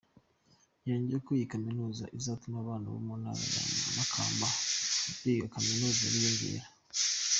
Yongeyeho ko iyi kaminuza izatuma abana bo mu ntara ya makamba biga kaminuza biyongera.